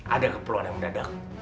ada keperluan yang mendadak